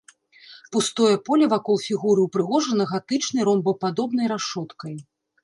Пустое поле вакол фігуры ўпрыгожана гатычнай ромбападобнай рашоткай.